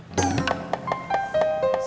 baru nanti saya turun